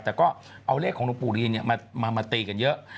แต่ก็เอาเลขของหลวงปู่รีนมาตีกันเยอะ